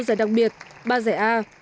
một giải đặc biệt ba giải a